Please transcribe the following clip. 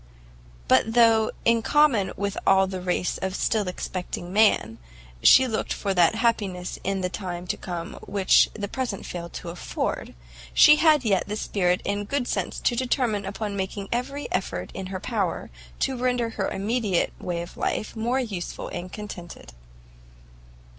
But though, in common with all the race of still expecting man, she looked for that happiness in the time to come which the present failed to afford, she had yet the spirit and good sense to determine upon making every effort in her power to render her immediate way of life more useful and contented.